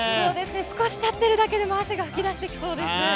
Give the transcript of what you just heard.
少し立っているだけで、汗が噴き出してきそうです。